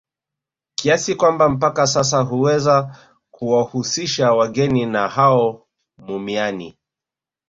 Kiasi kwamba mpaka sasa huweza kuwahusisha wageni na hao mumiani